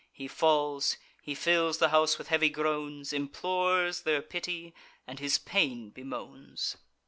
He falls; he fills the house with heavy groans, Implores their pity, and his pain bemoans.